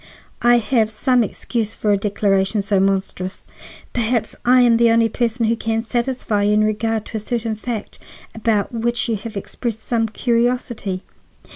"I have some excuse for a declaration so monstrous. Perhaps I am the only person who can satisfy you in regard to a certain fact about which you have expressed some curiosity.